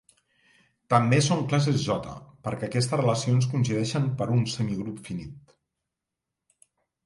També són classes "J", perquè aquestes relacions coincideixen per un semigrup finit.